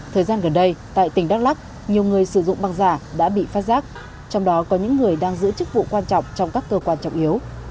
thời gian gần đây tại tỉnh đắk lắc nhiều người sử dụng băng giả đã bị phát giác trong đó có những người đang giữ chức vụ quan trọng trong các cơ quan trọng yếu